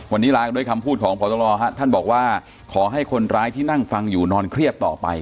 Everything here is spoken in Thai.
วันนี้ลากันด้วยคำพูดของพตรท่านบอกว่าขอให้คนร้ายที่นั่งฟังอยู่นอนเครียดต่อไป